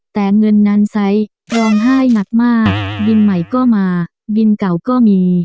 แต่เงินนั้นไซส์ร้องไห้หนักมากบินใหม่ก็มาบินเก่าก็มี